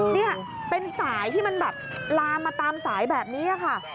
นี่เป็นสายที่มันแบบลามมาตามสายแบบนี้ค่ะ